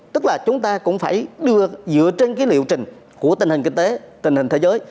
tức là chúng ta cũng phải đưa dựa trên liệu trình của tình hình kinh tế tình hình thế giới